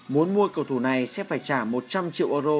muốn mua cầu thủ này sẽ phải trả một trăm linh triệu euro